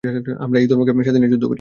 আমরা এই ধর্মকে সাথে নিয়ে যুদ্ধ করি।